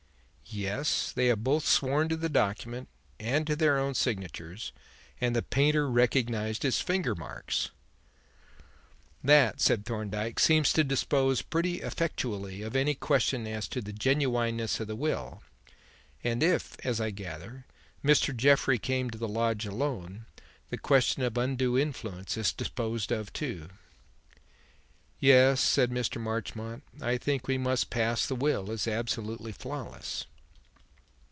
"Yes. They have both sworn to the document and to their own signatures, and the painter recognized his finger marks." "That," said Thorndyke, "seems to dispose pretty effectually of any question as to the genuineness of the will; and if, as I gather, Mr. Jeffrey came to the lodge alone, the question of undue influence is disposed of too." "Yes," said Mr. Marchmont. "I think we must pass the will as absolutely flawless."